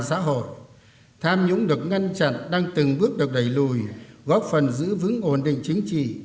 công tác phòng chống tham nhũng được ngăn chặn đang từng bước được đẩy lùi góp phần giữ vững ổn định chính trị